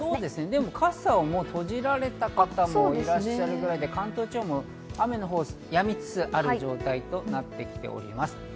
でも傘を閉じられた方もいらっしゃるぐらいで関東地方も雨のほう、やみつつある状態となってきております。